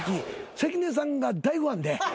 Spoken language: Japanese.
関根さんが大ファンで。